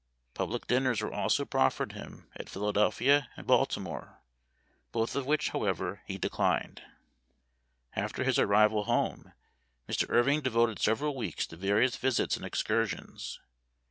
Public dinners were also proffered him at Philadel phia and Baltimore, both of which, however, he declined. Memoir of Washington Irving. 199 After his arrival home Mr. Irving devoted several weeks to various visits and excursions.